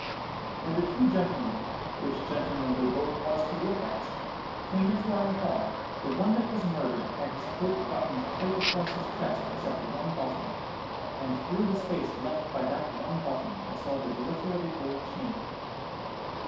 When the two gentlemen—which gentlemen they both was to look at—came into our hall, the one that was murdered had his coat buttoned tight across his chest, except one button; and through the space left by that one button I saw the glitter of a gold chain.'